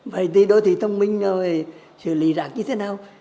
vậy thì đối với thông minh thì xử lý rác như thế nào